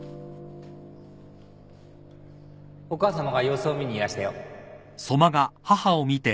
お母さまが様子を見にいらしたよ